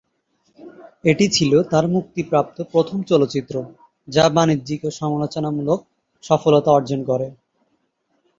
এটি ছিল তার মুক্তিপ্রাপ্ত প্রথম চলচ্চিত্র, যা বাণিজ্যিক ও সমালোচনামূলক সফলতা অর্জন করে।